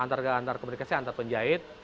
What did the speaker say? antar komunikasi antar penjahit